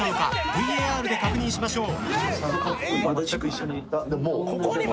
ＶＡＲで確認しましょう。